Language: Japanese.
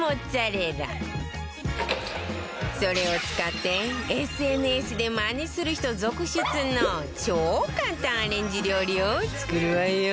それを使って ＳＮＳ でマネする人続出の超簡単アレンジ料理を作るわよ